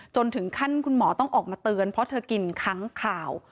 ถึงขั้นคุณหมอต้องออกมาเตือนเพราะเธอกินค้างข่าว